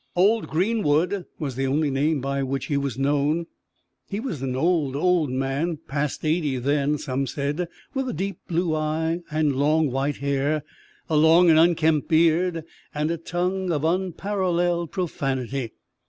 "Old Greenwood" was the only name by which he was known. He was an old, old man, past eighty then, some said, with a deep blue eye, long white hair, a long and unkempt beard and a tongue of unparalleled profanity.